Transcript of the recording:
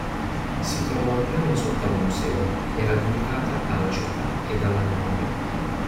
Si trova un piano sotto al Museo, era dedicata alla Città ed alla Memoria.